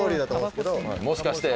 もしかして。